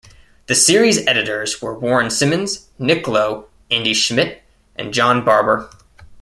The series' editors were Warren Simons, Nick Lowe, Andy Schmidt, and John Barber.